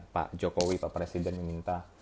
pak jokowi pak presiden meminta